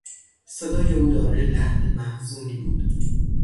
صدای او دارای لحن محزونی بود.